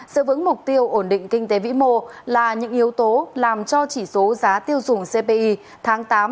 sự vững mục tiêu ổn định kinh tế vĩ mô là những yếu tố làm cho chỉ số giá tiêu dùng cpi tháng tám năm hai nghìn một mươi chín